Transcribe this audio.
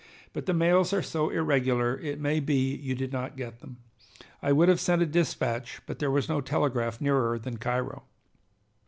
But the mails are so irregular it may be you did not get them. I would have sent a dispatch, but there was no telegraph nearer than Cairo.